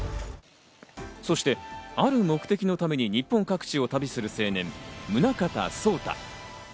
そして、ある目的のために日本各地を旅する青年・宗像草太。